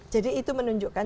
jadi itu menunjukkan